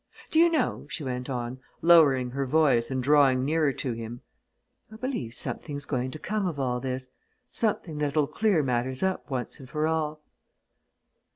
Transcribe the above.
Do you know," she went on, lowering her voice and drawing nearer to him, "I believe something's going to come of all this something that'll clear matters up once and for all."